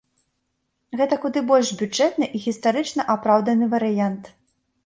Гэта куды больш бюджэтны і гістарычна апраўданы варыянт.